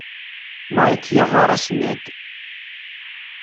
Mike yeɣɣar-as Ned.